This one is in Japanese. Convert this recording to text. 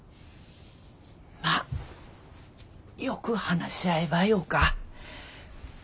まあよく話し合えばよか。